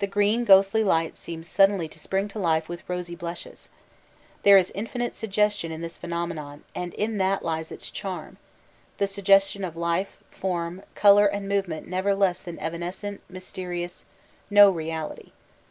The green ghostly light seems suddenly to spring to life with rosy blushes. There is infinite suggestion in this phenomenon, and in that lies its charm; the suggestion of life, form, colour and movement never less than evanescent, mysterious, no reality.